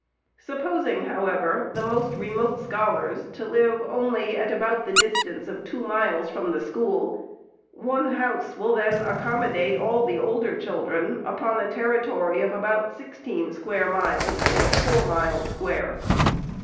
Supposing, however, the most remote scholars to live only at about the 468 distance of two miles from the school, one house will then accommodate all the older children upon a territory of about sixteen square miles, or four miles square.